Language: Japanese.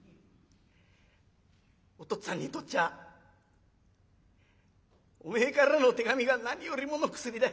お父っつぁんにとっちゃおめえからの手紙が何よりもの薬だ。